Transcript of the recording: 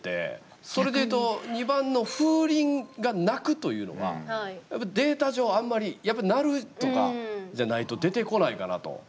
それでいうと２番の「風鈴が泣く」というのはデータ上あんまりやっぱ「鳴る」とかじゃないと出てこないかなと。